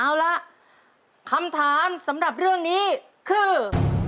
เอาละคำถามสำหรับเรื่องนี้คือ